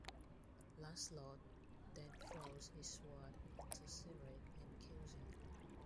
Lancelot then throws his sword into Cynric and kills him.